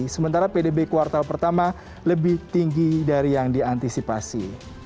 sementara pdb kuartal pertama lebih tinggi dari yang diantisipasi